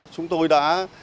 chúng tôi đã